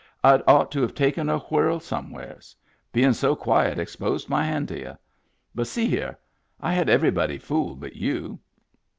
Td ought to have taken a whirl somewheres. Bein* so quiet exposed my hand to y'u. But, see here, I had everybody fooled but you."